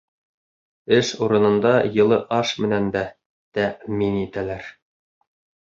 Эш урынында йылы аш менән дә тәьмин ителәләр.